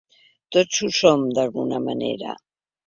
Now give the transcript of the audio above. Tots ho som, d’alguna manera.